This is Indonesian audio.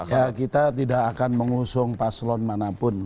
ya kita tidak akan mengusung paslon manapun